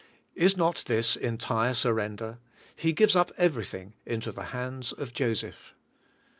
Is not this entire surrender? — he gives up everything into the hands of Joseph.